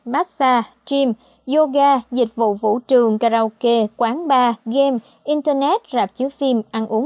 massage gym yoga dịch vụ vũ trường karaoke quán bar game internet rạp chứa phim